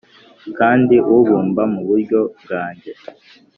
kandi ubumba muburyo bwanjye;